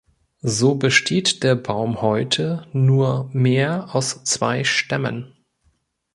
So besteht der Baum heute nur mehr aus zwei Stämmen.